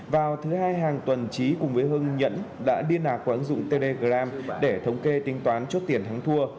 vào thứ hai hàng tuần chí cùng với hưng nhân đã điên hạc qua ứng dụng telegram để thống kê tính toán chốt tiền thắng thua